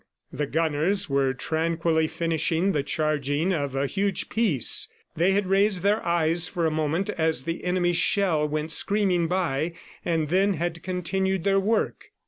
The gunners were tranquilly finishing the charging of a huge piece. They had raised their eyes for a moment as the enemy's shell went screaming by, and then had continued their work.